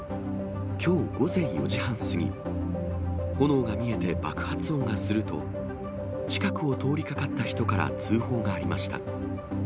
きょう午前４時半過ぎ、炎が見えて爆発音がすると、近くを通りかかった人から通報がありました。